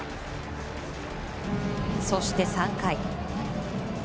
そして３回。